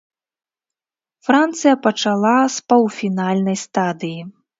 Францыя пачала з паўфінальнай стадыі.